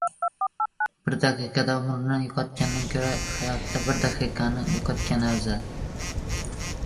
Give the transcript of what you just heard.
• Bir daqiqada umrni yo‘qotgandan ko‘ra hayotda bir daqiqani yo‘qotgan afzal.